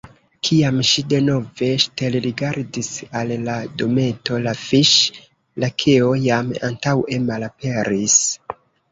Kiam ŝi denove ŝtelrigardis al la dometo, la Fiŝ-Lakeo jam antaŭe malaperis.